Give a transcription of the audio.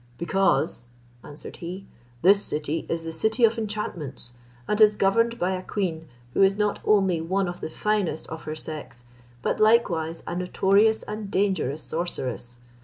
"Because," answered he, "this city is the City of Enchantments, and is governed by a queen, who is not only one of the finest of her sex, but likewise a notorious and dangerous sorceress.